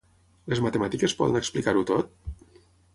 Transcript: Les matemàtiques poden explicar-ho tot?